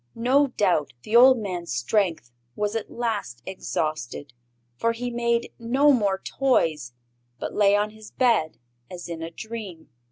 No doubt the old man's strength was at last exhausted, for he made no more toys, but lay on his bed as in a dream.